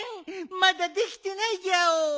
まだできてないギャオ。